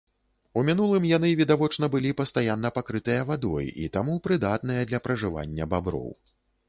У мінулым яны, відавочна, былі пастаянна пакрытыя вадой і таму прыдатныя для пражывання баброў.